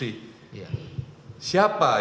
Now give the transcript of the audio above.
siapa yang menginstruksikan